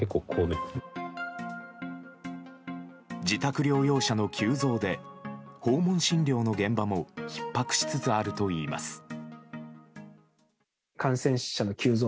自宅療養者の急増で訪問診療の現場もひっ迫しつつあるといいます。